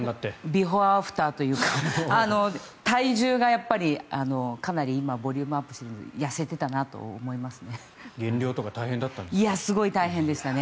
ビフォーアフターというか体重がやっぱりかなり今ボリュームアップしてるので痩せてたなと思いますね。